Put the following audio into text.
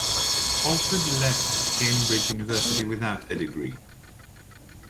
Alfred left Cambridge University without a degree.